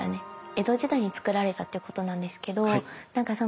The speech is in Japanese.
江戸時代につくられたってことなんですけど。